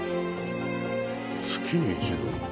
月に１度。